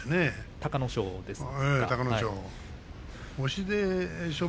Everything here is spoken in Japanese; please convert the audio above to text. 隆の勝ですね。